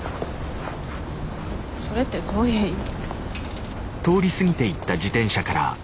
それってどういう意味？